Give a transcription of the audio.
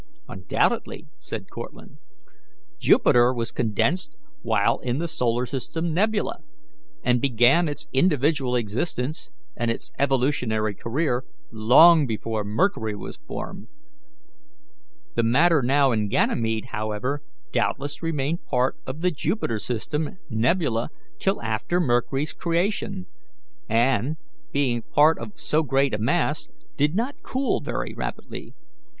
"Undoubtedly," said Cortlandt. "Jupiter was condensed while in the solar system nebula, and began its individual existence and its evolutionary career long before Mercury was formed. The matter now in Ganymede, however, doubtless remained part of the Jupiter system nebula till after Mercury's creation, and, being part of so great a mass, did not cool very rapidly.